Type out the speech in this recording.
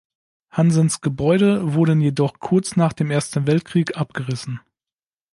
Hansens Gebäude wurden jedoch kurz nach dem Ersten Weltkrieg abgerissen.